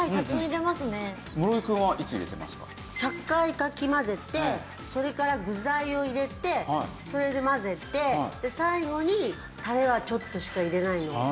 １００回かき混ぜてそれから具材を入れてそれで混ぜてで最後にタレはちょっとしか入れないの。